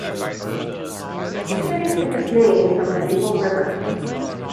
The city took its name from the Maple River.